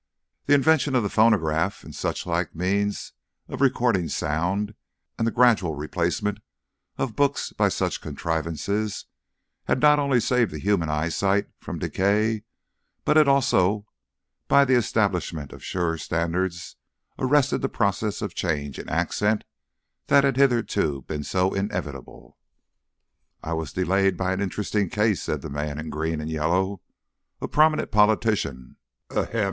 The invention of the phonograph and suchlike means of recording sound, and the gradual replacement of books by such contrivances, had not only saved the human eyesight from decay, but had also by the establishment of a sure standard arrested the process of change in accent that had hitherto been so inevitable. "I was delayed by an interesting case," said the man in green and yellow. "A prominent politician ahem!